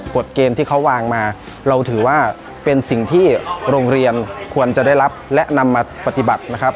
กฎเกณฑ์ที่เขาวางมาเราถือว่าเป็นสิ่งที่โรงเรียนควรจะได้รับและนำมาปฏิบัตินะครับ